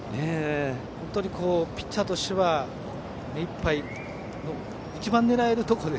本当にピッチャーとしては目いっぱいの一番狙えるところ。